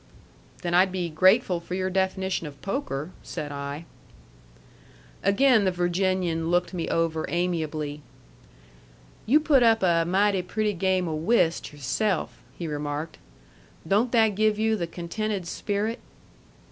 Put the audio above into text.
"Then I'd be grateful for your definition of poker," said I. Again the Virginian looked me over amiably. "You put up a mighty pretty game o' whist yourself," he remarked. "Don't that give you the contented spirit?"